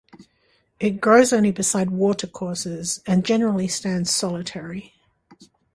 It grows only beside watercourses, and generally stands solitary.